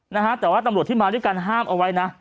นะฮะแต่ว่าตำรวจที่มาด้วยกันห้ามเอาไว้นะ